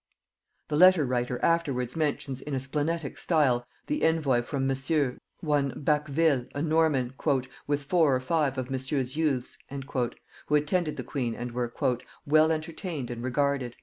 The letter writer afterwards mentions in a splenetic style the envoy from Monsieur, one Baqueville a Norman, "with four or five of Monsieur's youths," who attended the queen and were "well entertained and regarded."